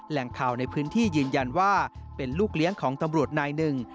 แหล่งข่าวในพื้นที่ยืนยันว่าเป็นลูกเลี้ยงของตำรวจนายหนึ่ง